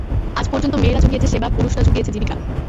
আজ পর্যন্ত মেয়েরা জুগিয়েছে সেবা, পুরুষরা জুগিয়েছে জীবিকা।